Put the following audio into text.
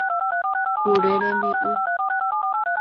Kure rembi'u.